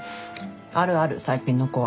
あるある最近の子は。